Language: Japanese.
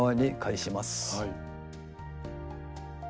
はい。